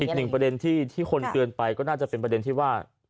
อีกหนึ่งประเด็นที่คนเตือนไปก็น่าจะเป็นประเด็นที่ว่า